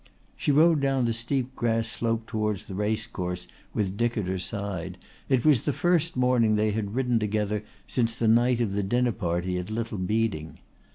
She rode down the steep grass slope towards the race course with Dick at her side. It was the first morning they had ridden together since the night of the dinner party at Little Beeding.